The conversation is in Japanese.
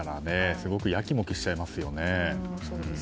すごくやきもきしちゃいますね。